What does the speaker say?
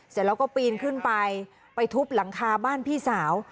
เสร็จแล้วก็ปีนขึ้นไปไปทุบหลังคาบ้านพี่สาว